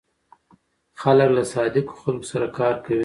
خلک له صادقو خلکو سره کار کوي.